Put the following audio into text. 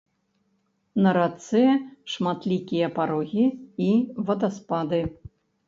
На рацэ шматлікія парогі і вадаспады.